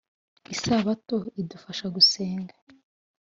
isabato idufasha gusenga .